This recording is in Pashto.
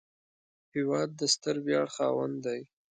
هېواد د ستر ویاړ خاوند دی